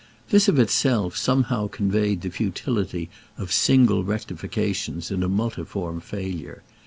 This of itself somehow conveyed the futility of single rectifications in a multiform failure.